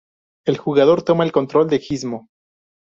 El jugador toma el control de Gizmo.